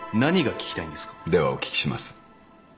ではお聞きします。